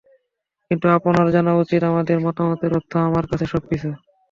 কিন্তু আপনার জানা উচিত আপনার মতামতের অর্থ আমার কাছে সব কিছু।